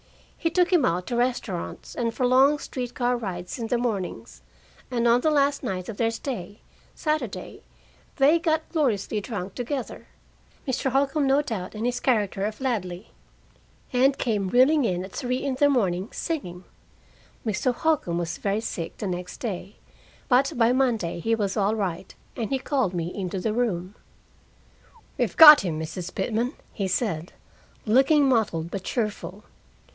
He took him out to restaurants and for long street car rides in the mornings, and on the last night of their stay, Saturday, they got gloriously drunk together Mr. Holcombe, no doubt, in his character of Ladley and came reeling in at three in the morning, singing. Mr. Holcombe was very sick the next day, but by Monday he was all right, and he called me into the room. "We've got him, Mrs. Pitman," he said, looking mottled but cheerful.